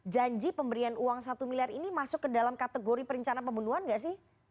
janji pemberian uang satu miliar ini masuk ke dalam kategori perencanaan pembunuhan gak sih